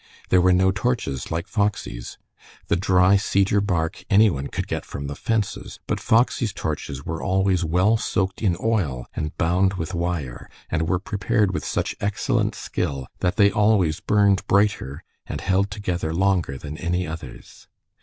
There were no torches like Foxy's. The dry cedar bark any one could get from the fences, but Foxy's torches were always well soaked in oil and bound with wire, and were prepared with such excellent skill that they always burned brighter and held together longer than any others.